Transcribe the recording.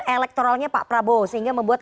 elektoralnya pak prabowo sehingga membuat